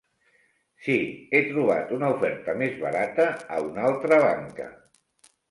Sí, he trobat una oferta més barata a una altra banca.